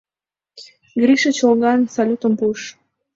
— Гриша чолган салютым пуыш.